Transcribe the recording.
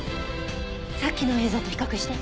さっきの映像と比較して。